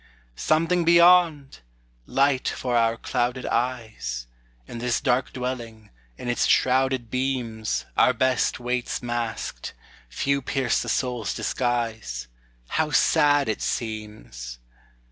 Something beyond! Light for our clouded eyes! In this dark dwelling, in its shrouded beams, Our best waits masked, few pierce the soul's disguise; How sad it seems!